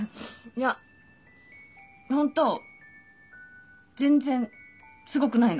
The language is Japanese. いやホント全然すごくないの。